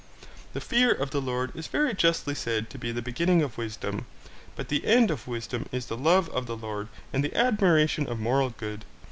The fear of the Lord is very justly said to be the beginning of wisdom, but the end of wisdom is the love of the Lord and the admiration of moral good.